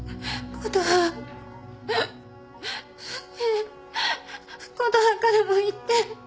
琴葉からも言って。